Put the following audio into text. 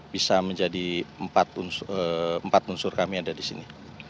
bisa menjadi empat unsur kami ada di sini